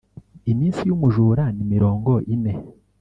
Iminsi y’umujura ni mirongo ine.